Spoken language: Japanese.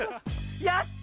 やった。